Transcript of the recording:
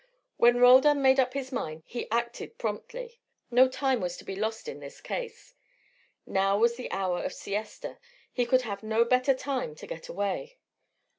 When Roldan made up his mind he acted promptly. No time was to be lost in this case. Now was the hour of siesta; he could have no better time to get away.